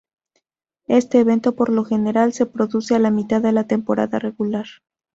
Este evento por lo general se produce a la mitad de la temporada regular.